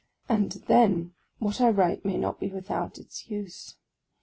And then, what I write may not be without its use.